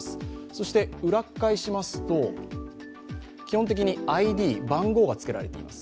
そして裏返しますと、基本的にＩＤ、番号がつけられています。